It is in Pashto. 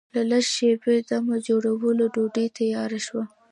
له لږ شېبې دمه جوړولو ډوډۍ تیاره شوه.